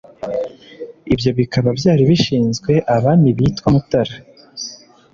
ibyo bikaba byari bishinzwe abami bitwa mutara